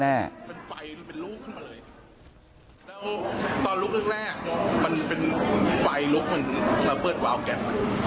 มันไฟมันเป็นลูกขึ้นมาเลยแล้วตอนลุกแรกแรกมันเป็นไฟลุกเหมือนระเบิดวาวแก๊ส